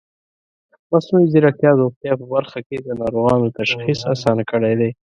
مصنوعي ځیرکتیا د روغتیا په برخه کې د ناروغانو تشخیص اسانه کړی دی.